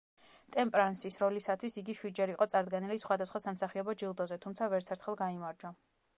ტემპრანსის როლისათვის იგი შვიდჯერ იყო წარდგენილი სხვადასხვა სამსახიობო ჯილდოზე, თუმცა ვერცერთხელ გაიმარჯვა.